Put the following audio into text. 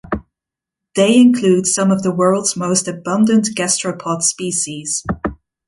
They include some of the world's most abundant gastropod species.